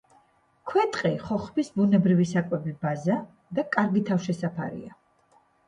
ქვეტყე ხოხბის ბუნებრივი საკვები ბაზა და კარგი თავშესაფარია.